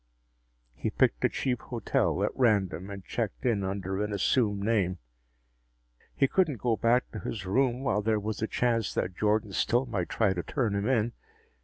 He picked a cheap hotel at random and checked in under an assumed name. He couldn't go back to his room while there was a chance that Jordan still might try to turn him in.